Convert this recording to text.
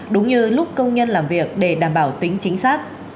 đúng như lúc công nhân làm việc để đảm bảo tính chính xác